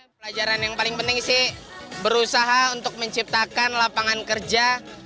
pelajaran yang paling penting sih berusaha untuk menciptakan lapangan kerja